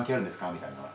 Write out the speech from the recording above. みたいな。